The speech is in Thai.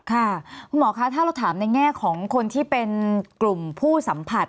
ค่ะคุณหมอคะถ้าเราถามในแง่ของคนที่เป็นกลุ่มผู้สัมผัส